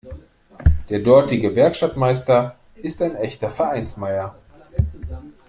Der dortige Werkstattmeister ist ein echter Vereinsmeier.